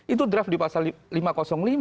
itu draft di pasal lima ratus lima